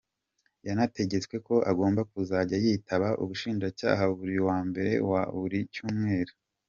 Yanategetswe ko agomba kuzajya yitaba ubushinjacyaha buri wa mbere wa buri cyumweru.